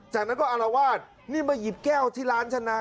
จากนั้นก็อารวาสนี่มาหยิบแก้วที่ร้านฉันนะ